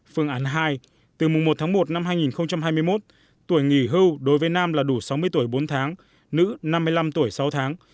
phương án hai từ mùng một tháng một năm hai nghìn hai mươi một tuổi nghỉ hưu đối với nam là đủ sáu mươi tuổi bốn tháng nữ năm mươi năm tuổi sáu tháng